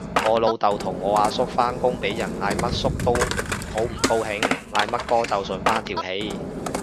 我老豆同我阿叔返工俾人嗌乜叔都好唔高興，嗌乜哥就順返條氣